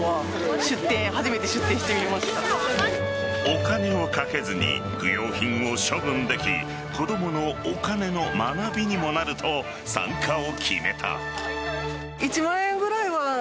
お金をかけずに不要品を処分でき子供のお金の学びにもなると参加を決めた。